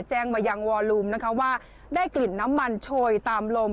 แจ้งมายังวอลูมนะคะว่าได้กลิ่นน้ำมันโชยตามลม